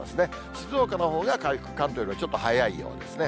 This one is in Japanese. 静岡のほうが回復、関東よりも早いようですね。